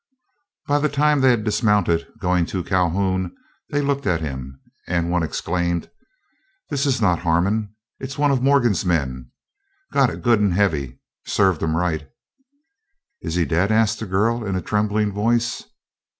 By this time they had dismounted. Going to Calhoun they looked at him, and one exclaimed, "This is not Harmon; it's one of Morgan's men. Got it good and heavy. Served him right." "Is he dead?" asked the girl, in a trembling voice.